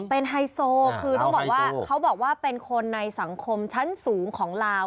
เป็นไฮโซคือต้องบอกว่าเขาบอกว่าเป็นคนในสังคมชั้นสูงของลาว